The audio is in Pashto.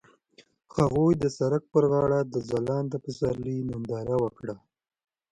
هغوی د سړک پر غاړه د ځلانده پسرلی ننداره وکړه.